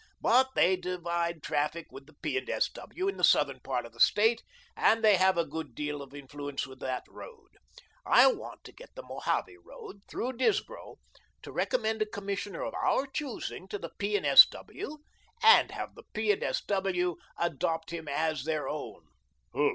But they divide traffic with the P. and S. W. in the southern part of the State and they have a good deal of influence with that road. I want to get the Mojave road, through Disbrow, to recommend a Commissioner of our choosing to the P. and S. W. and have the P. and S. W. adopt him as their own."